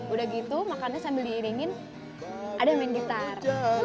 udah gitu makannya sambil diiringin ada yang main gitar